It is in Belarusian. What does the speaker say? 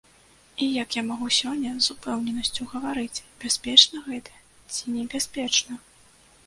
І як я магу сёння з упэўненасцю гаварыць, бяспечна гэта ці небяспечна?